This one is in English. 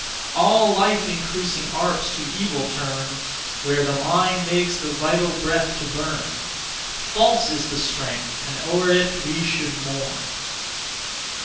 All life increasing arts to evil turn; Where the mind makes the vital breath to burn, (False) is the strength, (and o'er it we should mourn.)